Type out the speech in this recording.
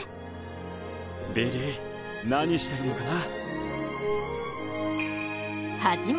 ビリー何してるのかな？